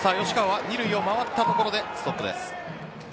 吉川は２塁を回ったところでストップ。